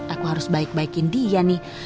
aku harus baik baikin dia nih